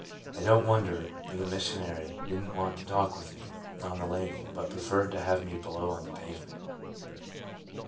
I don't wonder the missionary didn't want to talk with me on the landing, but preferred to have me below on the pavement.